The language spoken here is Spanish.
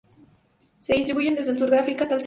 Se distribuyen desde el sur de África hasta el Sahara.